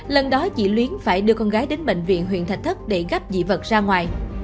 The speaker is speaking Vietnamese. lần đó chị luyến phải đưa con gái đến bệnh viện huyện thạch thất để gắp dị vật ra ngoài